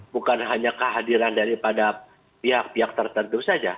bukan hanya kehadiran daripada pihak pihak tertentu saja